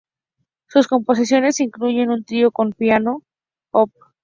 Sus composiciones incluyen un "trío con piano Op.